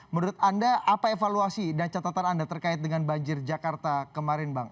menurut anda apa evaluasi dan catatan anda terkait dengan banjir jakarta kemarin bang